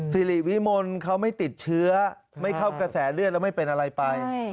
สิริวิมลเขาไม่ติดเชื้อไม่เข้ากระแสเลือดแล้วไม่เป็นอะไรไป